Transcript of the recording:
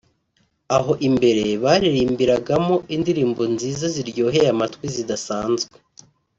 aho imbere baririmbiragamo indirimbo nziza ziryoheye amatwi zidasanzwe